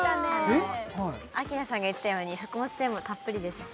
明奈さんが言ってたように食物繊維もたっぷりですし